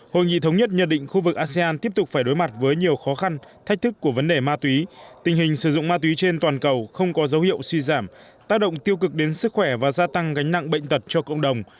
hội nghị thống nhất nhận định khu vực asean tiếp tục phải đối mặt với nhiều khó khăn thách thức của vấn đề ma túy tình hình sử dụng ma túy trên toàn cầu không có dấu hiệu suy giảm tác động tiêu cực đến sức khỏe và gia tăng gánh nặng bệnh tật cho cộng đồng